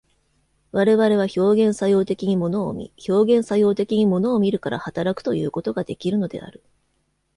我々は表現作用的に物を見、表現作用的に物を見るから働くということができるのである。